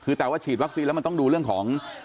คือแต่ว่าฉีดวัคซีนแล้วมันต้องดูเรื่องของ